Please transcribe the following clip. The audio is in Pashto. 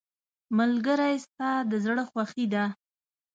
ملګری ستا د زړه خوښي ده.